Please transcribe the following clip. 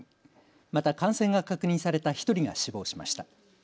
また感染が確認された１人が死亡しました。